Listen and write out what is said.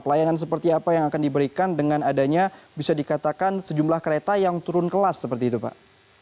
pelayanan seperti apa yang akan diberikan dengan adanya bisa dikatakan sejumlah kereta yang turun kelas seperti itu pak